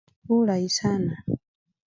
Bulayi sana.